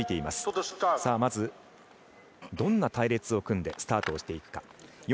まず、どんな隊列を組んでスタートしていくか。